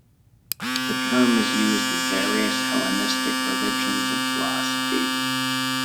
The term is used in various Hellenistic religions and philosophies.